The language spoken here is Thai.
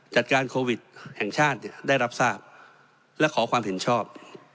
จัดการโควิดแห่งชาติได้รับทราบและขอความเห็นชอบ